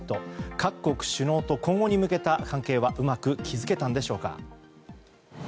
各国首脳と今後に向けた関係はうまく築けたのでしょうか。